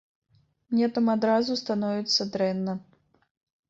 Мне там адразу становіцца дрэнна.